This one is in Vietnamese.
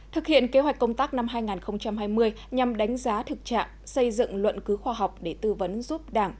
thực hiện kế hoạch công tác năm hai nghìn hai mươi nhằm đánh giá thực trạng xây dựng luận cứu khoa học để tư vấn giúp đảng